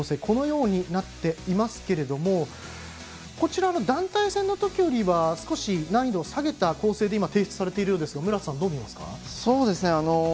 このようになっていますけれどもこちら団体戦のときより少し難易度を下げた構成で提出されていますが無良さんはどうみますか？